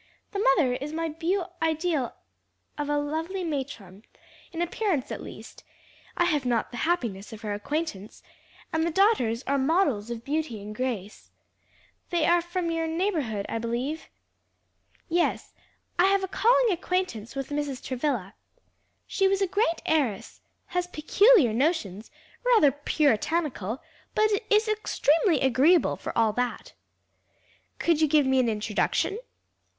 "The mother is my beau ideal of a lovely matron, in appearance at least I have not the happiness of her acquaintance and the daughters are models of beauty and grace. They are from your neighborhood, I believe?" "Yes; I have a calling acquaintance with Mrs. Travilla. She was a great heiress; has peculiar notions, rather puritanical; but is extremely agreeable for all that." "Could you give me an introduction?"